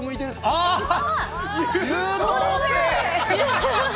あー、優等生。